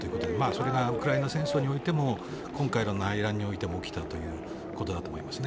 それがウクライナ戦争においても今回の内乱においても起きたということだと思います。